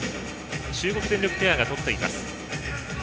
中国電力ペアが取っています。